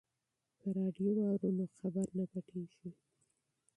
که راډیو واورو نو خبر نه پټیږي.